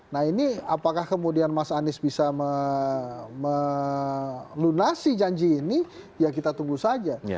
nah ini apakah kemudian mas anies bisa melunasi janji ini ya kita tunggu saja